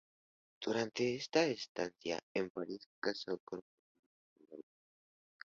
Durante esta estancia en París casó con una joven española.